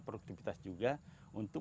produktivitas juga untuk